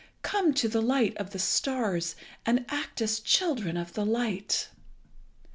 Come to the light of the stars, and act as children of the light.'